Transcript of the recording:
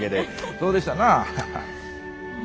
そうでしたな？